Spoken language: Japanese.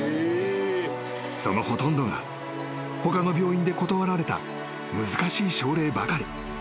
［そのほとんどが他の病院で断られた難しい症例ばかり］